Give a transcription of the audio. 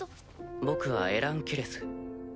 僕はエラン・ケレス。